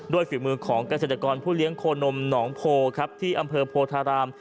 ฝีมือของเกษตรกรผู้เลี้ยงโคนมหนองโพครับที่อำเภอโพธาราม